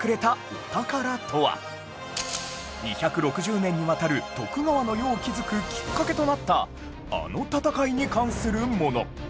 家広さんが２６０年にわたる徳川の世を築くきっかけとなったあの戦いに関するもの